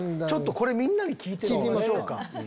これみんなに聞いてみましょうか。